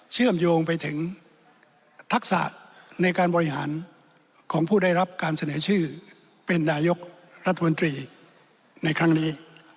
เชื่อมโยงไปถึงทักษะในการบริหารของผู้ได้รับการเสนอชื่อเป็นนายกรัฐมนตรีในครั้งนี้